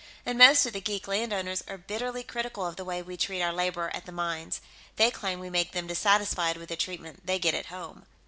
And most of the geek landowners are bitterly critical of the way we treat our labor at the mines; they claim we make them dissatisfied with the treatment they get at home."